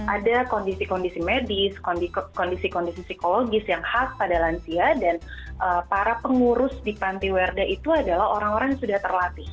ada kondisi kondisi medis kondisi kondisi psikologis yang khas pada lansia dan para pengurus di pantiwerda itu adalah orang orang yang sudah terlatih